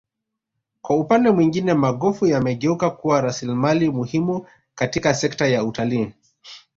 kwa upande mwingine magofu yamegeuka kuwa rasilimali muhimu katika sekta ya utalii